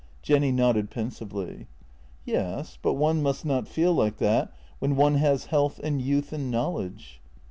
Jenny nodded pensively. " Yes, but one must not feel like that when one has health and youth and knowledge."